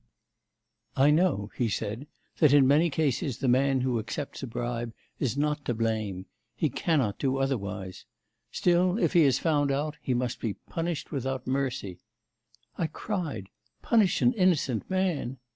'"I know," he said, "that in many cases the man who accepts a bribe is not to blame; he cannot do otherwise. Still, if he is found out, he must be punished without mercy." 'I cried, "Punish an innocent man!"